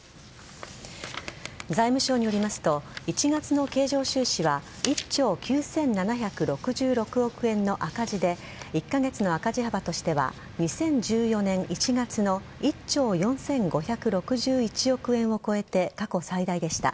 財務省によりますと１月の経常収支は１兆９７６６億円の赤字で１カ月の赤字幅としては２０１４年１月の１兆４５６１億円を超えて過去最大でした。